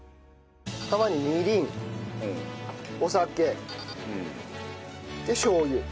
釜にみりんお酒でしょう油。